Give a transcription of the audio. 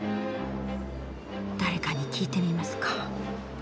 誰かに聞いてみますか。